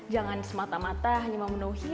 jangan semata mata hanya memenuhi ambil embil